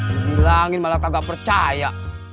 dibilangin malah kagak percaya